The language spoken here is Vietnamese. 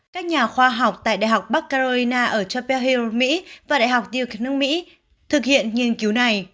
các nhà khoa học tại đại học bắc carolina ở chapel hill và đại học duke thực hiện nghiên cứu này